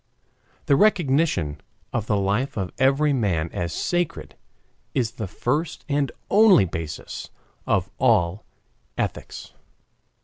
The recognition of the life of every man as sacred is the first and only basis of all ethics.